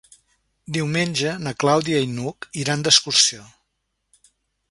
Diumenge na Clàudia i n'Hug iran d'excursió.